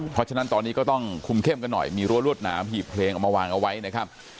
เพราะฉะนั้นตอนนี้ก็ต้องคุมเข้มกันหน่อยมีรั้วรวดหนามหีบเพลงเอามาวางเอาไว้นะครับ